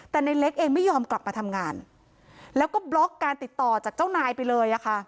แต่ในเล็กเองไม่ยอมกลับมาทำงานแล้วก็บล็อกการติดต่อจากเจ้านายไปเลยอะค่ะ